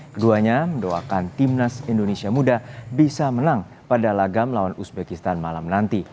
keduanya mendoakan timnas indonesia muda bisa menang pada lagam lawan uzbekistan malam nanti